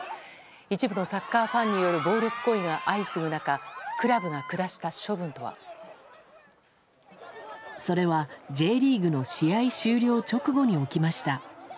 一部のサッカーファンによる暴力行為が相次ぐ中、それはＪリーグの試合終了直後に起きました。